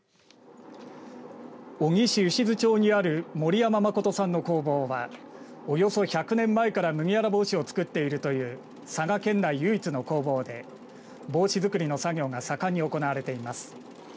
小城市牛津町にある森山真登さんの工房はおよそ１００年前から麦わら帽子を作っているという佐賀県内、唯一の工房で帽子作りの作業が盛んに行われています。